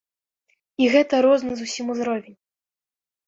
І гэта розны зусім узровень.